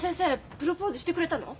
プロポーズしてくれたの？